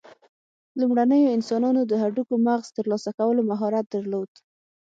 لومړنیو انسانانو د هډوکو مغز ترلاسه کولو مهارت درلود.